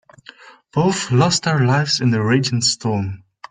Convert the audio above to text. Both lost their lives in the raging storm.